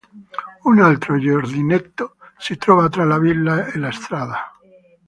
Un altro giardinetto si trova tra la villa e la strada.